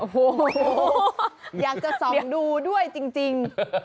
โอ้โหอยากจะส่องดูด้วยจริง